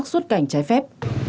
các xuất cảnh trái phép